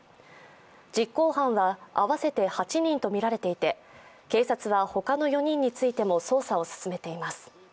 実行犯は合わせて８人とみられていて警察は他の４人についても捜査を進めています。